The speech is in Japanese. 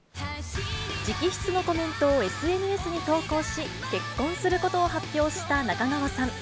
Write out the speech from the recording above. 直筆のコメントをＳＮＳに投稿し、結婚することを発表した中川さん。